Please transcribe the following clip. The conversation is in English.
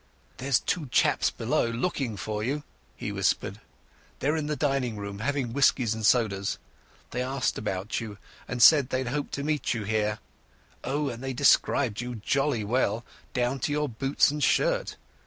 "There's two chaps below looking for you," he whispered. "They're in the dining room having whiskies and sodas. They asked about you and said they had hoped to meet you here. Oh! and they described you jolly well, down to your boots and shirt.